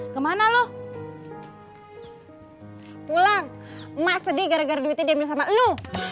kemana lo pulang mak sedih gara gara duitnya diambil sama lo